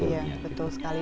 iya betul sekali